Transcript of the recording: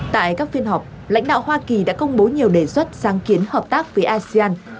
tại các phiên họp lãnh đạo hoa kỳ đã công bố nhiều đề xuất sáng kiến hợp tác với asean